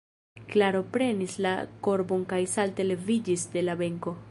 Klaro prenis la korbon kaj salte leviĝis de la benko.